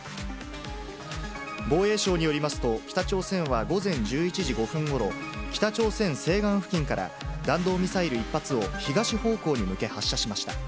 防衛省によりますと、北朝鮮は午前１１時５分ごろ、北朝鮮西岸付近から、弾道ミサイル１発を東方向に向け、発射しました。